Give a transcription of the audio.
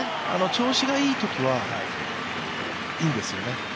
調子がいいときはいいんですよね。